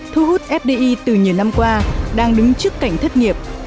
thu hút fdi từ nhiều năm qua đang đứng trước cảnh thất nghiệp